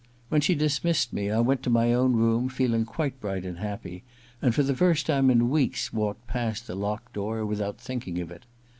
When she dismissed me I went to my own room feeling quite bright and happy, and for the first time in weeks walked past the locked door without thinking of it.